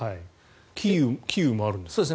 キーウもあるんですか。